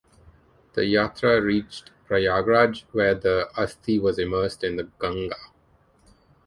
The yatra reached Prayagraj where the asthi was immersed in the Ganga.